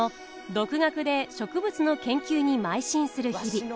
独学で植物の研究にまい進する日々。